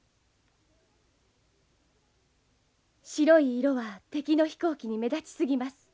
白い色は敵の飛行機に目立ちすぎます。